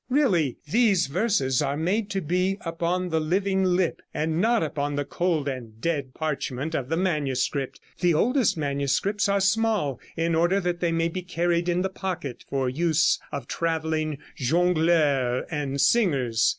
Really these verses are made to be upon the living lip, and not upon the cold and dead parchment of the manuscript. The oldest manuscripts are small, in order that they may be carried in the pocket for use of traveling jongleurs and singers.